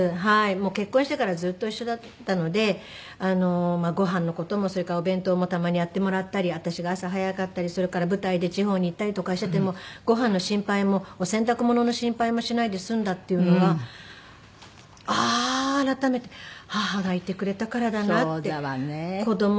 もう結婚してからずっと一緒だったのでごはんの事もそれからお弁当もたまにやってもらったり私が朝早かったりするから舞台で地方に行ったりとかしててもごはんの心配も洗濯物の心配もしないで済んだっていうのはああー改めて母がいてくれたからだなって。